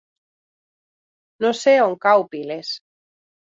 No sé on cau Piles.